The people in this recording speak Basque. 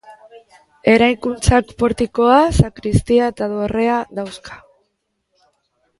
Eraikuntzak portikoa, sakristia eta dorrea dauzka.